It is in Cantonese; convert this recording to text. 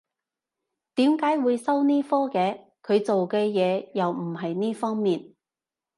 點解會收呢科嘅？佢做嘅嘢又唔係呢方面